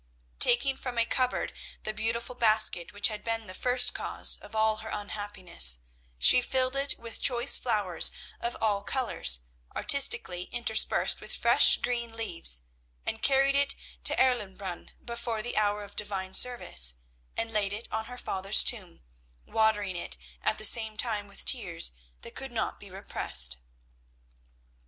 Taking from a cupboard the beautiful basket which had been the first cause of all her unhappiness, she filled it with choice flowers of all colours, artistically interspersed with fresh green leaves, and carried it to Erlenbrunn before the hour of divine service, and laid it on her father's tomb, watering it at the same time with tears that could not be repressed.